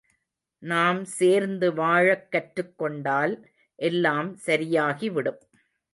நாம் சேர்ந்து வாழக் கற்றுக்கொண்டால் எல்லாம் சரியாகி விடும்.